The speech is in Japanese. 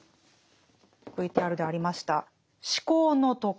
ＶＴＲでありました「思考の徳」。